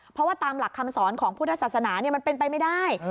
เพราะว่าตามหลักคำสอนของพุทธศาสนามันเป็นไปไม่ได้